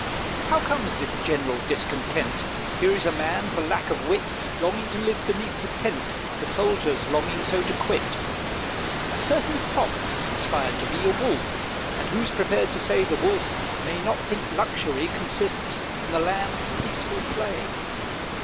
How comes this general discontent? Here is a man, for lack of wit, Longing to live beneath the tent The soldier's longing so to quit. A certain Fox aspired to be A Wolf: and who's prepared to say The Wolf may not think luxury Consists in the lamb's peaceful play?